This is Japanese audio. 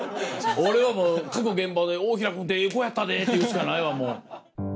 俺はもう各現場で「大平君ってええ子やったで」って言うしかないわもう。